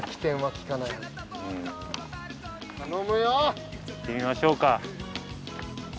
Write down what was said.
行ってみましょうか。